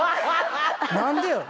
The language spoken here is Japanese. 何でやろ？